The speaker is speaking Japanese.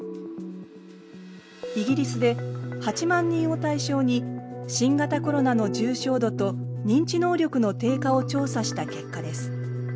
イギリスで８万人を対象に新型コロナの重症度と認知能力の低下を調査した結果です。